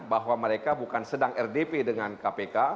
bahwa mereka bukan sedang rdp dengan kpk